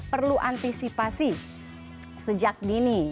perlu antisipasi sejak dini